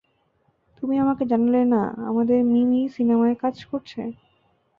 তুমি আমাকে জানালে না আমাদের মিমি সিনেমায় কাজ করছে?